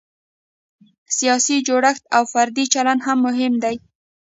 سیاسي جوړښت او فردي چلند هم مهم دی.